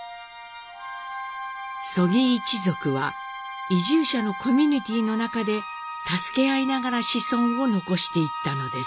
曽木一族は移住者のコミュニティーの中で助け合いながら子孫を残していったのです。